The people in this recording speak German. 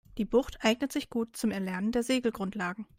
Die Bucht eignet sich gut zum Erlernen der Segelgrundlagen.